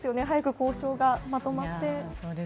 早く交渉がまとまって。